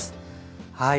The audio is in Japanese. はい。